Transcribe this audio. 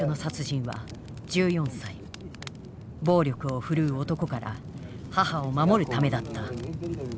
暴力を振るう男から母を守るためだった。